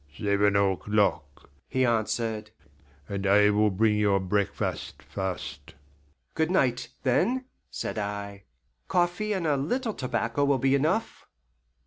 "Seven o'clock," he answered, "and I will bring your breakfast first." "Good night, then," said I. "Coffee and a little tobacco will be enough."